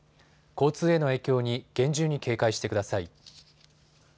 交通への影響に厳重に警戒してください。